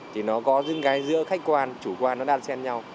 thì nó có những cái giữa khách quan chủ quan nó đa dạng nhau